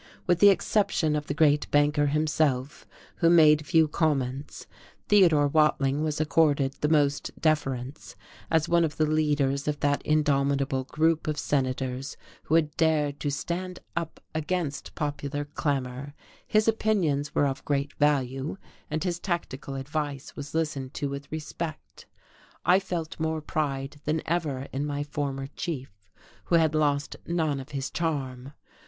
With the exception of the great Banker himself, who made few comments, Theodore Watling was accorded the most deference; as one of the leaders of that indomitable group of senators who had dared to stand up against popular clamour, his opinions were of great value, and his tactical advice was listened to with respect. I felt more pride than ever in my former chief, who had lost none of his charm.